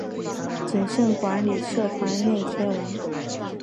谨慎管理社团内贴文